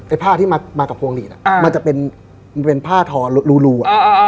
ผ้าที่มากับพวงหลีดมันจะเป็นผ้าทอรูอ่ะ